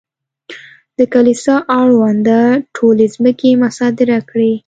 د کلیسا اړونده ټولې ځمکې مصادره کړې.